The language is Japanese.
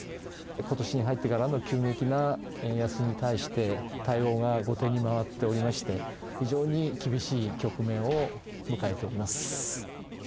ことしに入ってからの急激な円安に対して、対応が後手に回っておりまして、非常に厳しい局面を迎えております。